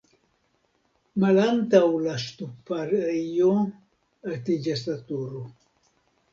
Malantaŭ la ŝtuparejo altiĝas la turo.